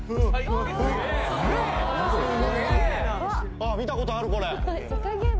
あっ、見たことある、これ。